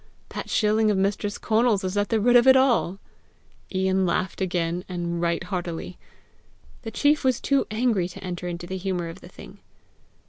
That shilling of Mistress Conal's is at the root of it all!" Ian laughed again, and right heartily. The chief was too angry to enter into the humour of the thing.